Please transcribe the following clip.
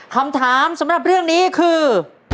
คำถามสำหรับเรื่องนี้คือ